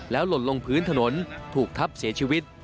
หล่นลงพื้นถนนถูกทับเสียชีวิต